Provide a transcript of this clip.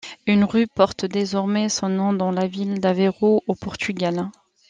Une rue porte désormais son nom dans la ville d'Aveiro au Portugal.